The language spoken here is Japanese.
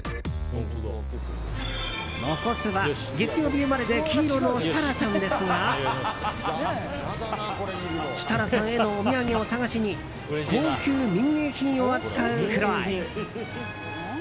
残すは、月曜日生まれで黄色の設楽さんですが設楽さんへのお土産を探しに高級民芸品を扱うフロアへ。